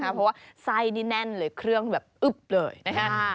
เพราะว่าไส้นี่แน่นเลยเครื่องแบบอึ๊บเลยนะคะ